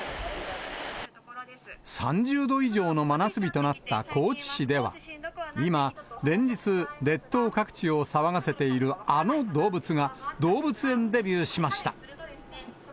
３０度以上の真夏日となった高知市では、今、連日、列島各地を騒がせているあの動物が、動物園デビューしました。